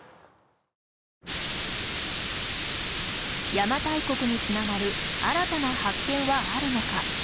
邪馬台国につながる新たな発見はあるのか。